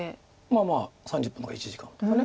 まあまあ３０分か１時間とか。